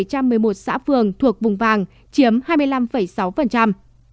có hai bảy trăm một mươi một xã phường thuộc vùng vàng chiếm hai mươi năm sáu